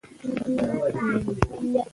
که مغز وي نو کنټرول نه ورکیږي.